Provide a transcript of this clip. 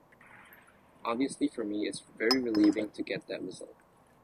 Obviously for me, it's very relieving to get that result.